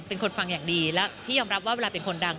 เป็นคนฟังอย่างดีแล้วพี่ยอมรับว่าเวลาเป็นคนดัง